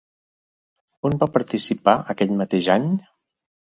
On va participar aquell mateix any?